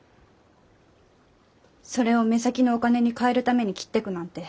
それを目先のお金に換えるために切ってくなんて。